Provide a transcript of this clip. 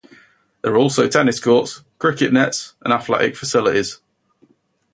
There are also tennis courts, cricket nets and athletics facilities.